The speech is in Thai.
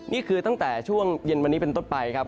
นี่คือตั้งแต่ช่วงเย็นวันนี้เป็นต้นไปครับ